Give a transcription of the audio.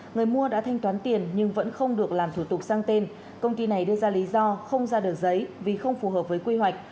người mua đã thanh toán tiền nhưng vẫn không được làm thủ tục sang tên công ty này đưa ra lý do không ra được giấy vì không phù hợp với quy hoạch